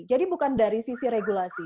jadi bukan dari sisi regulasi